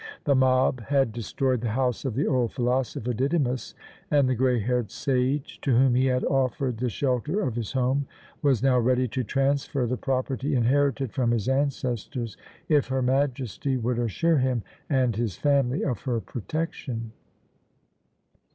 The mob had destroyed the house of the old philosopher Didymus, and the grey haired sage, to whom he had offered the shelter of his home, was now ready to transfer the property inherited from his ancestors, if her Majesty would assure him and his family of her protection.